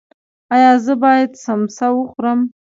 ایا زه باید سموسه وخورم؟